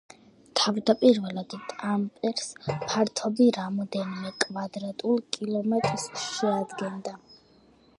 თავდაპირველად ტამპერეს ფართობი რამდენიმე კვადრატულ კილომეტრს შეადგენდა.